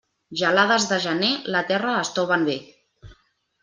Gelades de gener, la terra estoven bé.